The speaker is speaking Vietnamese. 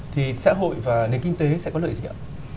thì xã hội và nền kinh tế sẽ có lợi gì ạ